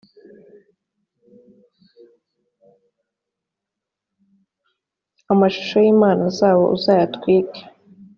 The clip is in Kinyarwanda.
amashusho y’imana zabo uzayatwike.